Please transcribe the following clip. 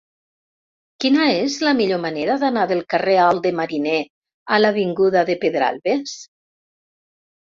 Quina és la millor manera d'anar del carrer Alt de Mariner a l'avinguda de Pedralbes?